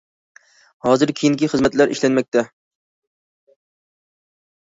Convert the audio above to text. ھازىر كېيىنكى خىزمەتلەر ئىشلەنمەكتە.